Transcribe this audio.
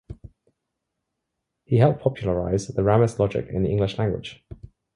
He helped popularise Ramist logic in the English language.